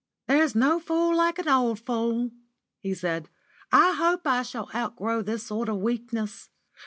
"There's no fool like an old fool," he said. "I hope I shall soon outgrow this sort of weakness.